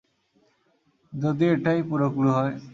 যদি এটাই পুরো ক্লু হয়?